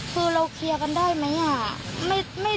คือเราเคลียร์กันได้ไหม